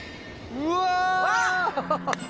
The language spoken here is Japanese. うわ。